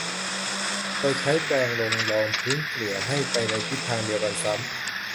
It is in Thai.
โดยใช้แปรงลงรองพื้นเกลี่ยให้ไปในทิศทางเดียวกันซ้ำ